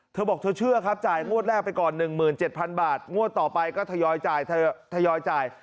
เธอบอกเธอเชื่อครับจ่ายงวดแรกไปก่อน๑๗๐๐บาทงวดต่อไปก็ทยอยจ่าย